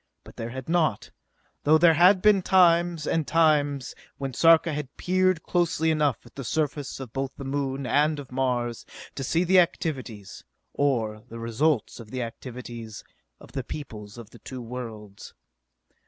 But there had not, though there had been times and times when Sarka had peered closely enough at the surface of both the Moon and of Mars to see the activities, or the results of the activities, of the peoples of the two worlds.